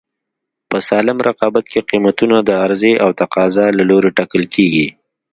په سالم رقابت کې قیمتونه د عرضې او تقاضا له لورې ټاکل کېږي.